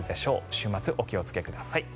週末、お気をつけください。